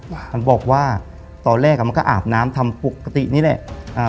มันบอกว่าตอนแรกมันก็อาบน้ำทำปกตินี่แหละ